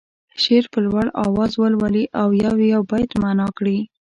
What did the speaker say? شعر په لوړ اواز ولولي او یو یو بیت معنا کړي.